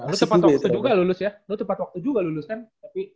lu tepat waktu juga lulus ya lu tepat waktu juga lulus kan tapi